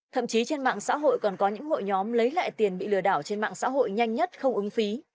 thậm chí trên mạng xã hội còn có những hội nhóm lấy lại tiền bị lừa đảo trên mạng xã hội nhanh nhất không ứng phí